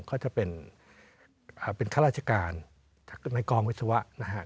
ก็จะเป็นค่าราชการในกรมวิศวะนะครับ